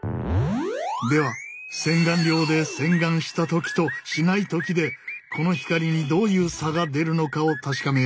では洗顔料で洗顔した時としない時でこの光にどういう差が出るのかを確かめよう。